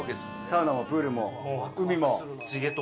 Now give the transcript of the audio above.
サウナもプールも海も。